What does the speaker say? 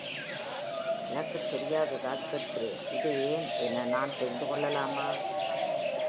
எனக்குத் தெரியாததால் கேட்கிறேன், இது ஏன் என நான் தெரிந்துகொள்ளலாமா?